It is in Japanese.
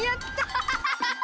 ハハハハ！